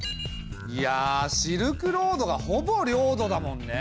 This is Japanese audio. いやシルクロードがほぼ領土だもんね。